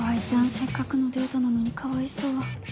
せっかくのデートなのにかわいそう。